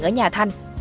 ở nhà thanh